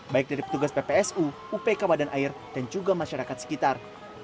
baik dari petugas ppsu upk badan air dan juga masyarakat sekitar